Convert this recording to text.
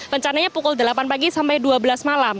rencananya pukul delapan pagi sampai dua belas malam